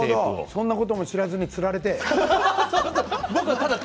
そんなことも知らずにつられて。